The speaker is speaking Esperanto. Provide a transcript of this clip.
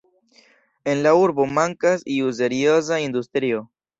En la urbo mankas iu serioza industrio.